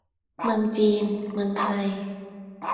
เมืองจีน เมืองไทย